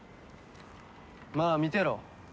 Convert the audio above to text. まあ見てろ。